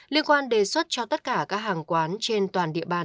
liên quan đề xuất cho tất cả các hàng quán trên toàn địa bàn